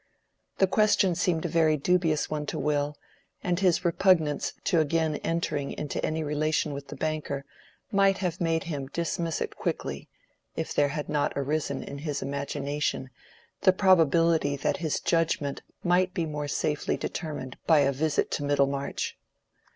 The question seemed a very dubious one to Will, and his repugnance to again entering into any relation with the banker might have made him dismiss it quickly, if there had not arisen in his imagination the probability that his judgment might be more safely determined by a visit to Middlemarch.